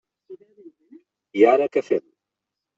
I ara què fem?